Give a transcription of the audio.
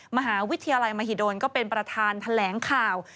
มหาวิทยาลัยมหิดลก็เป็นประธานแถลงข่าว